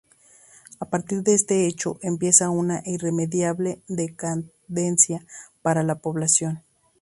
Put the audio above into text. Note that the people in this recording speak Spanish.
A partir de este hecho empieza una irremediable decadencia para la población.